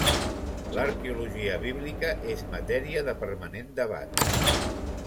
L'arqueologia bíblica és matèria de permanent debat.